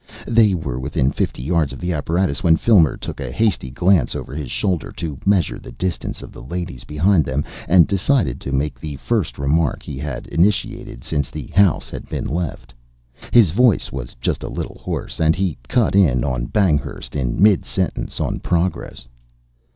They were within fifty yards of the apparatus when Filmer took a hasty glance over his shoulder to measure the distance of the ladies behind them, and decided to make the first remark he had initiated since the house had been left. His voice was just a little hoarse, and he cut in on Banghurst in mid sentence on Progress.